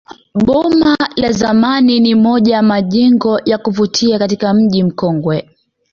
Boma la zamani ni moja ya majengo ya kuvutia katika mji mkongwe